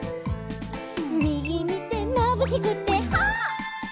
「みぎみてまぶしくてはっ」